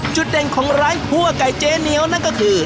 จุดเด่นของร้านคั่วไก่เจ๊เหนียวนั่นก็คือ